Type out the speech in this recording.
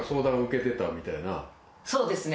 そうですね。